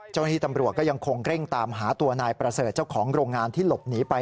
เจ้าหน้าที่ตำรวจก็ยังคงเร่งตามหาตัวนายประเสริฐเจ้าของโรงงานที่หลบหนีไป